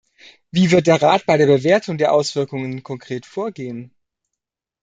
Wie wird der Rat bei der Bewertung der Auswirkungen konkret vorgehen?